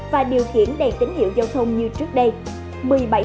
và điều khiển đèn tín hiệu giao thông như trước đây